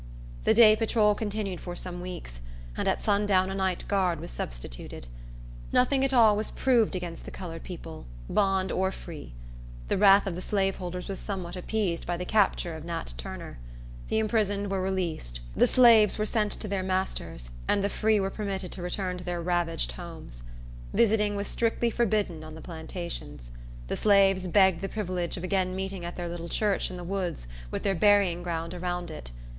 The day patrol continued for some weeks, and at sundown a night guard was substituted. Nothing at all was proved against the colored people, bond or free. The wrath of the slaveholders was somewhat appeased by the capture of Nat Turner. The imprisoned were released. The slaves were sent to their masters, and the free were permitted to return to their ravaged homes. Visiting was strictly forbidden on the plantations. The slaves begged the privilege of again meeting at their little church in the woods, with their burying ground around it.